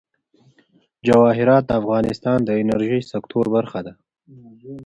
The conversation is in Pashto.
جواهرات د افغانستان د انرژۍ سکتور برخه ده.